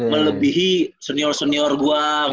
melebihi senior senior gue